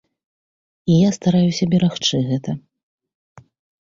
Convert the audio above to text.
І я стараюся берагчы гэта.